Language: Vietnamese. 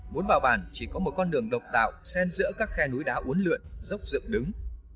muốn vào bản chỉ có một con đường độc tạo sen giữa các khe núi đá uốn lượn dốc dựng đứng